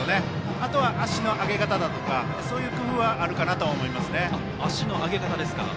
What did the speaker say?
あとは足の上げ方だとかそういう工夫はあるかなと思います。